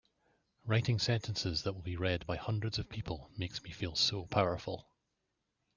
Writing sentences that will be read by hundreds of people makes me feel so powerful!